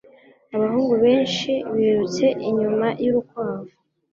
Abahungu benshi birutse inyuma yurukwavu